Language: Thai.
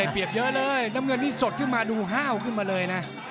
เปรียบเยอะเลยน้ำเงินนี่สดขึ้นมาดูห้าวขึ้นมาเลยนะ